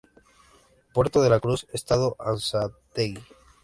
Puerto La Cruz, Estado Anzoátegui.